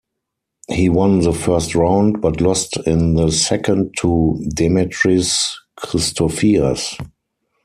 He won the first round, but lost in the second to Demetris Christofias.